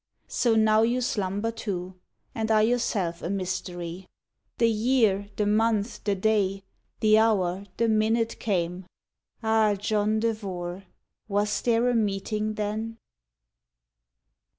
So now you slumber too And are yourself a mystery. The year, The month, the day, the hour, the minute came. Ah! John Devore! was there a meeting then?"